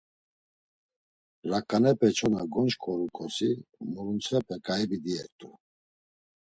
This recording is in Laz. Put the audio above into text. Raǩanepe çona, gonşǩorukosi muruntsxiti ǩaibi diert̆u.